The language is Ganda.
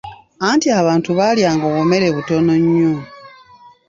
Anti abantu baalyanga obumere butono nnyo.